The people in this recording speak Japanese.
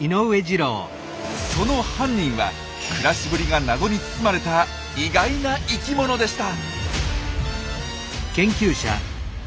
その犯人は暮らしぶりが謎に包まれた意外な生きものでした。